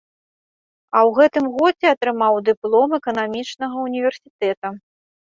А ў гэтым годзе атрымаў дыплом эканамічнага ўніверсітэта.